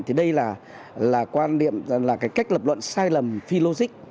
thì đây là cái cách lập luận sai lầm phi logic